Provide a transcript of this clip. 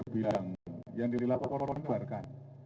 bilang yang dilakukan orang orang di barca